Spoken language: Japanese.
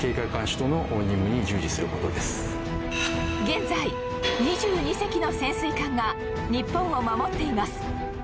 現在２２隻の潜水艦が日本を守っています